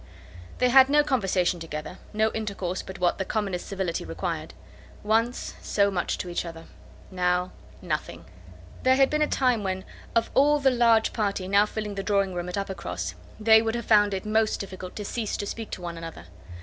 They had no conversation together, no intercourse but what the commonest civility required. Once so much to each other! Now nothing! There had been a time, when of all the large party now filling the drawing room at Uppercross, they would have found it most difficult to cease to speak to one another.